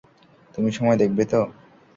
তুমি সময় দেখবে ত?